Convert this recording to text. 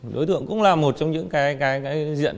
đối tượng cũng là một trong những cái diện